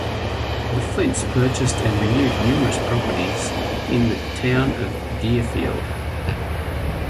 The Flynts purchased and renewed numerous properties in the town of Deerfield.